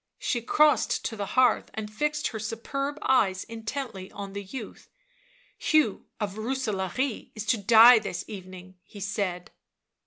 She crossed to the hearth and fixed her superb eyes intently on the youth. " Hugh of Rooselaare is to die this evening/ 7 he said.